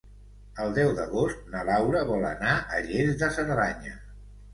El deu d'agost na Laura vol anar a Lles de Cerdanya.